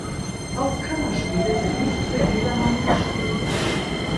Auch Kammerspiele sind nicht für jedermann geschrieben.